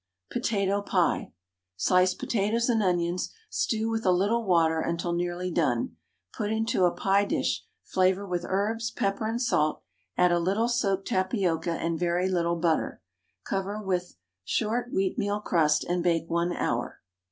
POTATO PIE. Slice potatoes and onions, stew with a little water until nearly done, put into a pie dish, flavour with herbs, pepper, and salt, add a little soaked tapioca and very little butter, cover with short wheatmeal crust, and bake 1 hour.